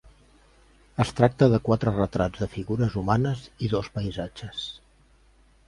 Es tracta de quatre retrats de figures humanes i dos paisatges.